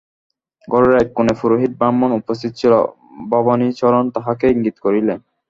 ঘরের এক কোণে পুরোহিত ব্রাহ্মণ উপস্থিত ছিল, ভবানীচরণ তাহাকে ইঙ্গিত করিলেন।